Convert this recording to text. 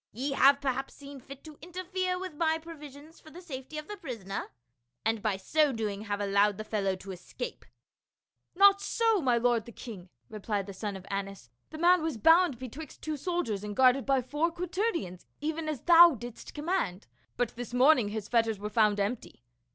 "Ye have perhaps seen fit to interfere with my provisions for the safety of the prisoner, and by so doing have allowed the fel low to escape." 262 PAUL. " Not so, my lord the king," replied the son of Annas, " the man was bound betwixt two soldiers and guarded by four quaternions, even as thou didst com mand ; but this morning his fetters were found empty.